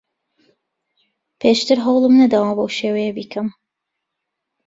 پێشتر هەوڵم نەداوە بەو شێوەیە بیکەم.